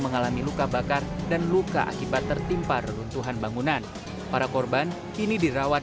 mengalami luka bakar dan luka akibat tertimpa reruntuhan bangunan para korban kini dirawat